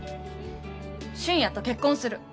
俊也と結婚する。